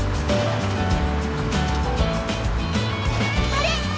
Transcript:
あれ！